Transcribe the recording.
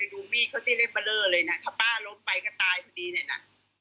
ดูมีดเขาที่เล่นเบลอเลยนะถ้าป้าล้มไปก็ตายพอดีเลยนะ